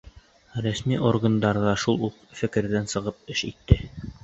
Рәсми органдар ҙа шул уҡ фекерҙән сығып эш итте.